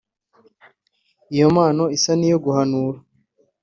Iyo mpano isa n’iyo guhanura